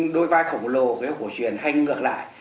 đôi vai khổng lồ của hiệu cổ truyền hay ngược lại